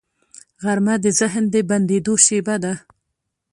غرمه د ذهن د بندېدو شیبه ده